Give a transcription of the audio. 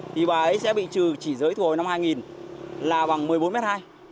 thì bà ấy sẽ bị trừ chỉ giới thu hồi năm hai nghìn là bằng một mươi bốn mét hai